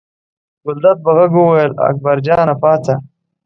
ګلداد په غږ وویل اکبر جانه پاڅه.